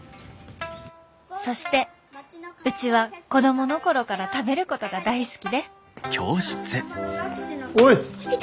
そしてうちは子供の頃から食べることが大好きでおい。